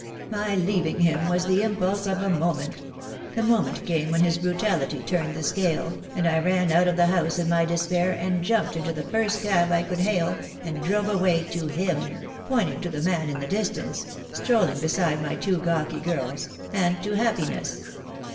My leaving him was the impulse of a moment. The moment came when his brutality turned the scale, and I ran out of the house in my despair, and jumped into the first cab I could hail, and drove away to him/ pointing to the man in the distance, strolling beside my two gawky girls, 'and to happiness.